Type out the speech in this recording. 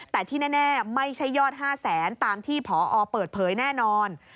แต่ที่แน่ไม่ใช่ยอด๕แสนตามที่พอเปิดเผยแน่นอน